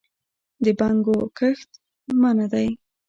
د بنګو کښت منع دی؟